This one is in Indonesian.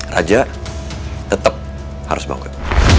raja tetap harus bangkit